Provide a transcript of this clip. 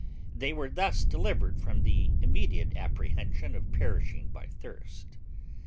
They were thus delivered from the immediate apprehension of perishing by thirst.